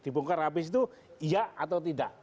dibongkar habis itu iya atau tidak